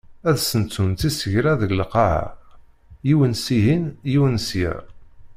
Ad sentunt isegra deg lqaɛa, yiwen sihin, yiwen sya.